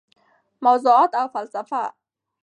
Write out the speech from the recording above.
موضوعات او فلسفه: